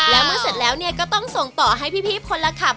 แล้วเมื่อเสร็จแล้วเนี่ยก็ต้องส่งต่อให้พี่คนละขับ